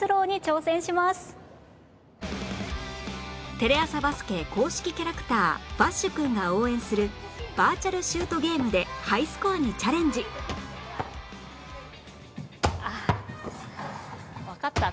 テレ朝バスケ公式キャラクターバッシュくんが応援するバーチャルシュートゲームでハイスコアにチャレンジああわかったぞ。